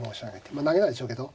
まあ投げないでしょうけど。